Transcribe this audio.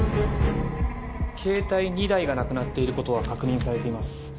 ケータイ２台がなくなっていることは確認されています